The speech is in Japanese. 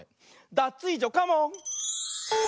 ダツイージョカモン！